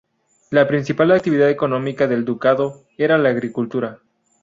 La principal actividad económica del ducado era la agricultura.